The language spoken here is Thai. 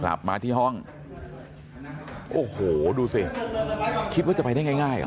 กลับมาที่ห้องโอ้โหดูสิคิดว่าจะไปได้ง่ายง่ายอ่ะ